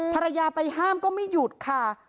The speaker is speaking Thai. ภรรยาไปห้ามก็ไม่หยุดค่ะ